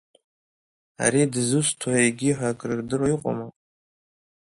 Ари дызусҭоу егьиу ҳәа акры рдыруа иҟоума!